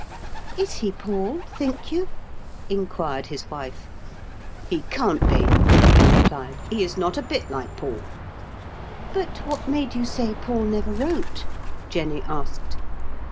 " Is he Paul, think you ?" inquired his wife. " He can't be," he replied. He is not a bit like Paul." "But what made you say Paul never wrote ?" Jenny asked.